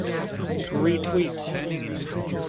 Retweet!